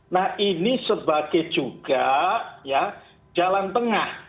nah ini sebagai juga jalan tengah